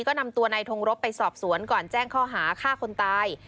ก็นำตัวนายทงรบไปสอบสวนก่อนแจ้งข้อหาฆ่าคนตาย